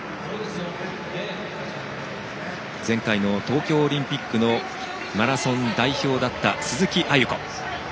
前回の東京オリンピックのマラソン代表だった鈴木亜由子。